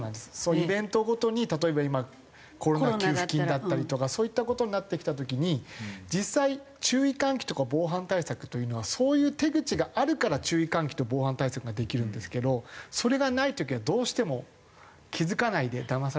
イベントごとに例えば今コロナ給付金だったりとかそういった事になってきた時に実際注意喚起とか防犯対策というのはそういう手口があるから注意喚起と防犯対策ができるんですけどそれがない時はどうしても気付かないでだまされてる。